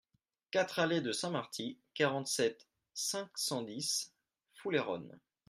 quatre allée de Saint-Marty, quarante-sept, cinq cent dix, Foulayronnes